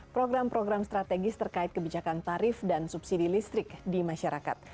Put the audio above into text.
program program strategis terkait kebijakan tarif dan subsidi listrik di masyarakat